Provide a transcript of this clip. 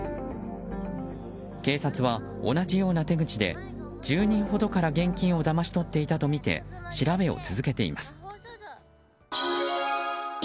警察は同じような手口で１０人ほどから現金をだまし取っていたとみて調べを続けています。